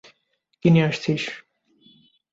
কী নিয়ে আসছিস?